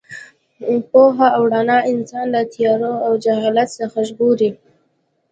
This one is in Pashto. پوهه او رڼا انسان له تیارو او جهالت څخه ژغوري.